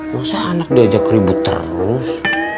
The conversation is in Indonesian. masa anak diajak ribut terus